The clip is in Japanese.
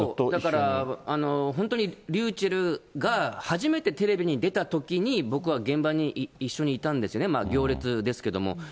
だから本当にｒｙｕｃｈｅｌｌが初めてテレビに出たときに、僕は現場に一緒にいたんですね、行列ですけども。